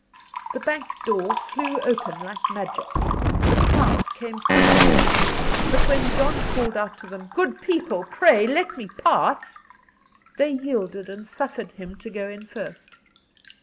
The bank door flew open like magic. The crowd came pushing in; but when John called out to them, "Good people, pray let me pass!" they yielded and suffered him to go in first.